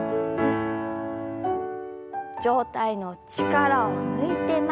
上体の力を抜いて前。